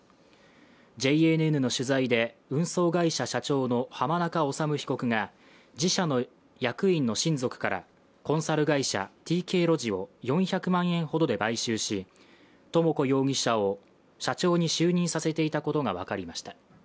ＪＮＮの取材で、運送会社社長の浜中治被告が自社の役員の親族からコンサル会社ＴＫロジを４００万円ほどで買収し、智子容疑者を社長に就任させていたことが分かりました。